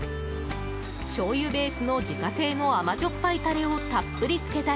しょうゆベースの自家製の甘じょっぱいタレをたっぷりつけた